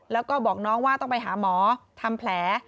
แล้วก็บอกน้องว่าต้องไปหาหมอทำแผล